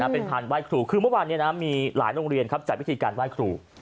เป็นพานไหว้ครูคือเมื่อวานนี้มีหลายโรงเรียนครับจัดวิธีการไหว้ครู